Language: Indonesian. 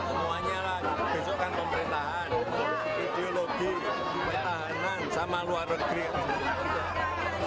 semuanya lah kebanyakan pemerintahan ideologi pertahanan sama luar negeri